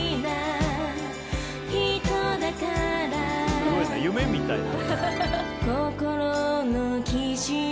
すごいな夢みたいだな。